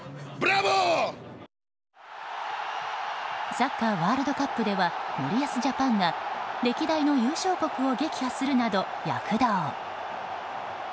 サッカーワールドカップでは森保ジャパンが歴代の優勝国を撃破するなど躍動。